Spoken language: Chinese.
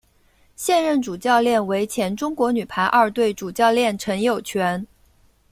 现任主教练为前中国女排二队主教练陈友泉。